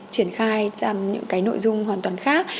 triển khai ra những cái nội dung hoàn toàn khác